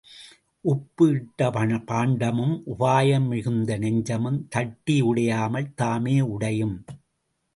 உப்பு இட்ட பாண்டமும் உபாயம் மிகுந்த நெஞ்சமும் தட்டி உடையாமல் தாமே உடையும்.